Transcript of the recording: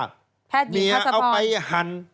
แพทยีทัศน์พรเนี่ยเอาไปหัน